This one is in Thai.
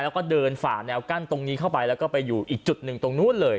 แล้วก็เดินฝ่าแนวกั้นตรงนี้เข้าไปแล้วก็ไปอยู่อีกจุดหนึ่งตรงนู้นเลย